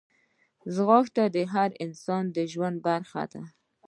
ځغاسته د هر انسان د ژوند برخه ده